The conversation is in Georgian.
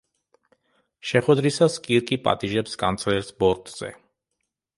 შეხვედრისას კირკი პატიჟებს კანცლერს ბორტზე.